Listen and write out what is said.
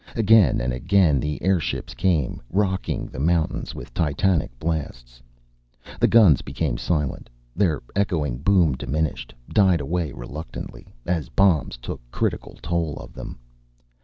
Again and again the airships came, rocking the mountains with titanic blasts. The guns became silent. Their echoing boom diminished, died away reluctantly, as bombs took critical toll of them.